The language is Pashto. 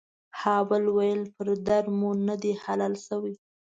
ها بل ويل پر در مو ندي حلال سوى.